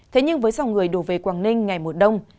thế nhưng với dòng người đổ về quảng ninh ngày mùa đông